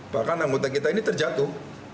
bahkan anggota kita ini terjatuh